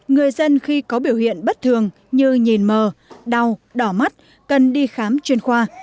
người dân khi có biểu hiện bất thường như nhìn mờ đau đỏ mắt cần đi khám chuyên khoa